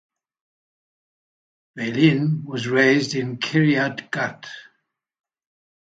Beilin was raised in Kiryat Gat.